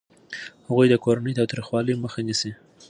هغوی د کورني تاوتریخوالي مخه نیسي.